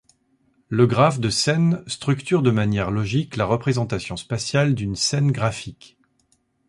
Le graphe de scène structure de manière logique la représentation spatiale d'une scène graphique.